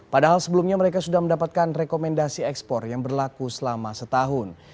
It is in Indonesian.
padahal sebelumnya mereka sudah mendapatkan rekomendasi ekspor yang berlaku selama setahun